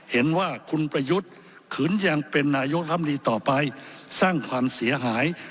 เห็นว่าคุณประยุทธ์ขึนยังเป็นนายกรรมดีต่อไปสร้างความเสียหาย